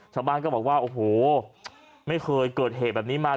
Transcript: ชาวบ้านก็บอกว่าโอ้โหไม่เคยเกิดเหตุแบบนี้มา